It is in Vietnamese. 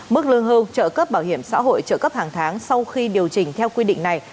mức lương hưu trợ cấp bảo hiểm xã hội trợ cấp hàng tháng sau khi điều chỉnh theo quy định này